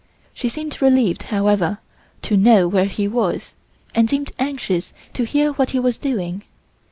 She seemed relieved, however, to know where he was, and seemed anxious to hear what he was doing.